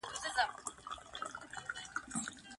هغه تل اوږده پاڼه ډنډ ته وړي.